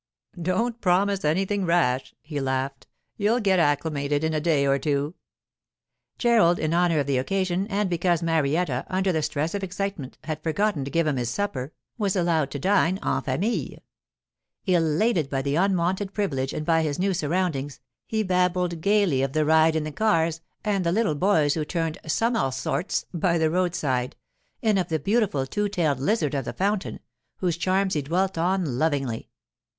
'Don't promise anything rash,' he laughed. 'You'll get acclimated in a day or two.' Gerald, in honour of the occasion, and because Marietta, under the stress of excitement, had forgotten to give him his supper, was allowed to dine en famille. Elated by the unwonted privilege and by his new surroundings, he babbled gaily of the ride in the cars and the little boys who turned 'summelsorts' by the roadside, and of the beautiful two tailed lizard of the fountain, whose charms he dwelt on lovingly.